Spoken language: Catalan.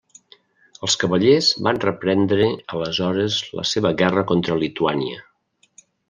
Els Cavallers van reprendre aleshores la seva guerra contra Lituània.